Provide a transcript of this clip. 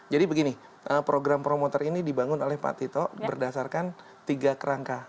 jadi begini program promoter ini dibangun oleh pak tito berdasarkan tiga kerangka